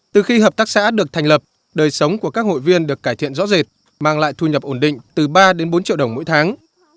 từ khi hợp tác xã được thành lập đời sống của các hội viên được cải thiện rõ rệt mang lại thu nhập ổn định từ ba đến bốn triệu đồng mỗi tháng